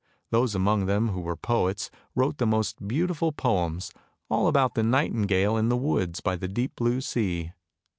Those among them who were poets wrote the most beautiful poems, all about the nightingale in the woods by the deep blue sea.